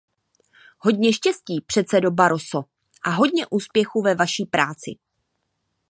Hodně štěstí, předsedo Barroso a hodně úspěchu ve vaší práci.